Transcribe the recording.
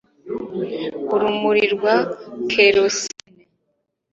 urumuri rwa kerosene